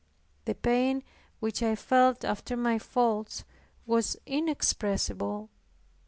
The pain which I felt after my faults was inexpressible.